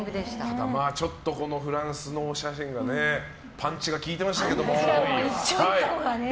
ただフランスのお写真がねパンチが効いてましたけど。